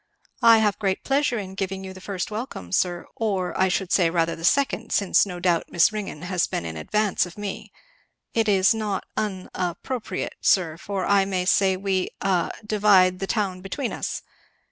"I have great pleasure in giving you the first welcome, sir, or, I should say, rather the second; since no doubt Miss Ringgan has been in advance of me. It is not un a appropriate, sir, for I may say we a divide the town between us.